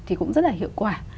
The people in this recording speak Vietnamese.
thì cũng rất là hiệu quả